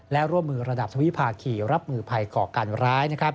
และร่วมมือระดับสวิภาคีรับมือภัยก่อการร้าย